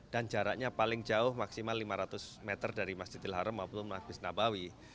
dan jaraknya paling jauh maksimal lima ratus meter dari masjid haram maupun nabawi